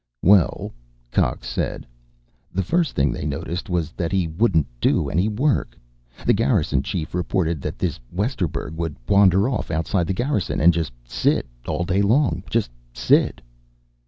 "Well," Cox said, "the first thing they noticed was that he wouldn't do any work. The Garrison Chief reported that this Westerburg would wander off outside the Garrison and just sit, all day long. Just sit."